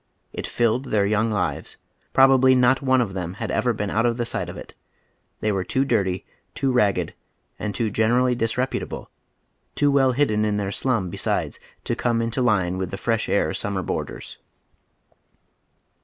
It filled their young lives. Probably not one of them had ever been out of the sight of it. They were too dirty, too ragged, and too gen ei'ally disreputable, too well hidden in their slum besides, to come into line with tlie Fresh Air summer boai ders.